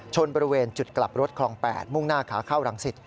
บริเวณจุดกลับรถคลอง๘มุ่งหน้าขาเข้ารังสิต